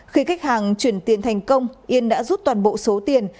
khi khách hàng chuyển tiền thành công yên đã rút toàn bộ số tiền